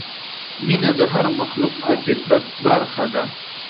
مینه د هر مخلوق د فطرت برخه ده.